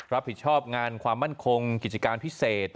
รับผิดชอบงานความมั่นคงกิจกรรมผิดเสร็จ